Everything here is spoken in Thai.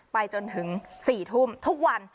ไปจนถึง๔ทุ่มทุกวัน